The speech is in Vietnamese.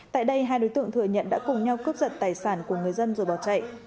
tại đây hai đối tượng thừa nhận đã cùng nhau cướp giật tài sản của người dân rồi bỏ chạy